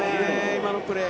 今のプレー。